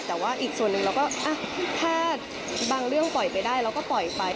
แต่ว่าอีกส่วนหนึ่งเราก็ถ้าบางเรื่องปล่อยไปได้เราก็ปล่อยไป